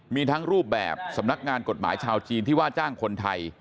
มีทั้งรูปแบบสำนักงานกฎหมายชาวจีนที่ว่าจ้างคนไทย